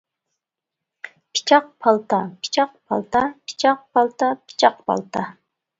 پىچاق پالتا پىچاق پالتا، پىچاق پالتا پىچاق پالتا.